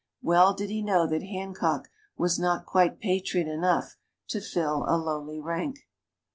Well did he know that Hancock was not quite patriot enough to fill a lowly rank.